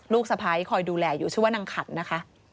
สะพ้ายคอยดูแลอยู่ชื่อว่านางขันนะคะ